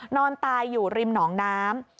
นอนตายอยู่ริมหนองน้ำ